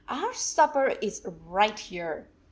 Our supper is right here."